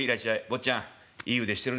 坊ちゃんいい腕してるね」。